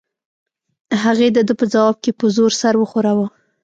هغې د ده په ځواب کې په زور سر وښوراوه.